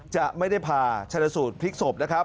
จะไม่ได้ผ่าชนสูตรพลิกศพนะครับ